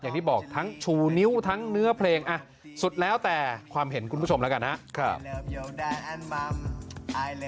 อย่างที่บอกทั้งชูนิ้วทั้งเนื้อเพลงสุดแล้วแต่ความเห็นคุณผู้ชมแล้วกันนะครับ